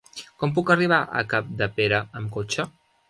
Com puc arribar a Capdepera amb cotxe?